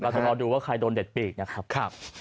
เราต้องรอดูว่าใครโดนเด็ดปีกนะครับ